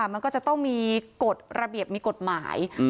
มันก็จะต้องมีกฎระเบียบมีกฎหมาย